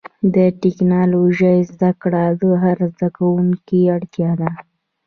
د ټکنالوجۍ زدهکړه د هر زدهکوونکي اړتیا ده.